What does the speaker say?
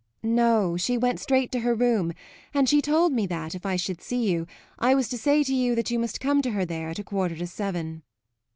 "No, she went straight to her room, and she told me that, if I should see you, I was to say to you that you must come to her there at a quarter to seven."